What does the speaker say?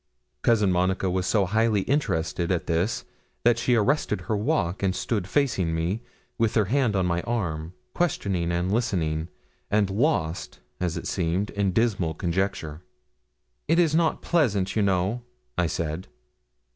Cousin Monica was so highly interested at this that she arrested her walk and stood facing me, with her hand on my arm, questioning and listening, and lost, as it seemed, in dismal conjecture. 'It is not pleasant, you know,' I said.